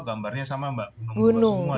gambarnya sama mbak nunggu semua